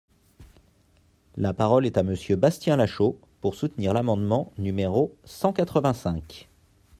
La parole est à Monsieur Bastien Lachaud, pour soutenir l’amendement numéro cent quatre-vingt-cinq.